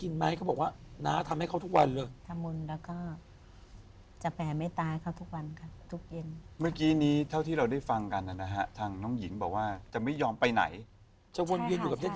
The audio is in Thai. น๊าน๊าทำมุนให้หญิงทุกวันเลยหรอ